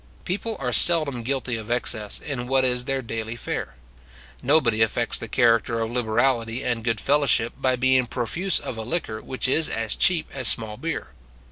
People are seldom guilty of excess in what is their daily fare. Nobody affects the character of liberality and good fellowship, by being profuse of a liquor which is as cheap as small beer.